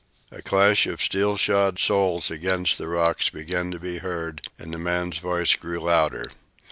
The clash of steel shod soles against the rocks began to be heard, and the man's voice grew louder.